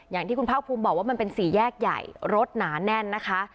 อย่างที่คุณภาคภูมิบอกว่ามันเป็นสี่แยกใหญ่รถหนาแน่นนะคะ